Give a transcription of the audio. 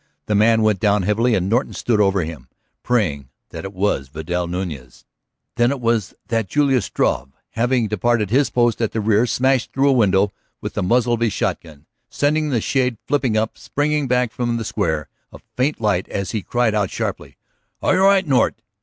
The man went down heavily and Norton stood over him, praying that it was Vidal Nuñez. Then it was that Julius Struve, having deserted his post at the rear, smashed through a window with the muzzle of his shotgun, sending the shade flipping up, springing back from the square of faint light as he cried out sharply: "All right, Nort?"